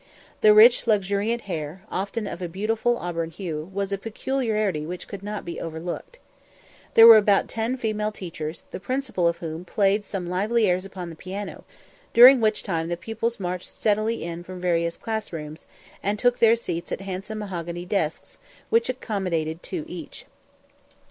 The rich luxuriant hair, often of a beautiful auburn hue, was a peculiarity which could not be overlooked. There were about ten female teachers, the principal of whom played some lively airs upon the piano, during which time the pupils marched steadily in from various class rooms, and took their seats at handsome mahogany desks, which accommodated two each.